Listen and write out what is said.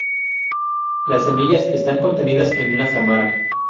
Las semillas están contenidas en una sámara.